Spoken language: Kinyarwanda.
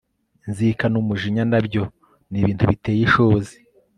inzika n'umujinya, na byo ni ibintu biteye ishozi